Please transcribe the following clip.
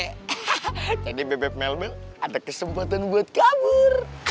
hahaha jadi bebet mel mel ada kesempatan buat kabur